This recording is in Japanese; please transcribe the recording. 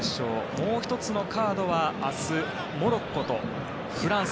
もう１つのカードは明日モロッコとフランス。